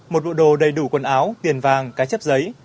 một bộ đồ đầy đủ quần áo tiền vàng cái chép giấy